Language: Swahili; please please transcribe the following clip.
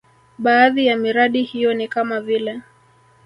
Baadhi ya miradi hiyo ni kama vile